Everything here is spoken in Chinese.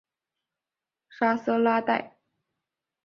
沙瑟拉代。